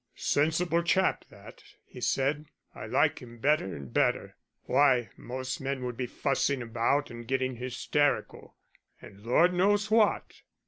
"Sensible chap that," he said. "I like him better and better. Why, most men would be fussing about and getting hysterical, and Lord knows what."